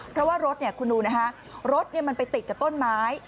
เพราะว่ารถคุณดูนะคะรถมันไปติดกับต้นไม้